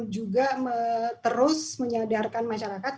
juga terus menyadarkan masyarakat